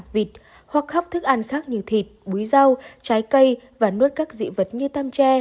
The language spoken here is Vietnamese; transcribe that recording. vịt hoặc khóc thức ăn khác như thịt búi rau trái cây và nuốt các dị vật như tam tre